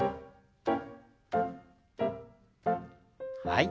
はい。